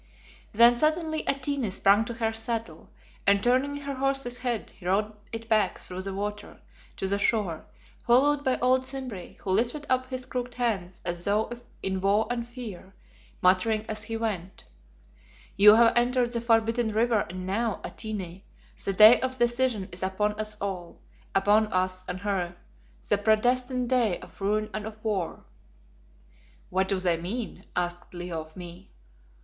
Then suddenly Atene sprang to her saddle, and turning her horse's head rode it back through the water to the shore, followed by old Simbri, who lifted up his crooked hands as though in woe and fear, muttering as he went "You have entered the forbidden river and now, Atene, the day of decision is upon us all upon us and her that predestined day of ruin and of war." "What do they mean?" asked Leo of me.